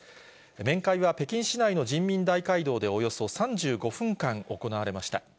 面会は北京市内の人民大会堂でおよそ３５分間行われました。